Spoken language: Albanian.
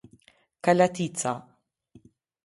Kalatica